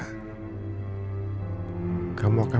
gak pernah terbayangkan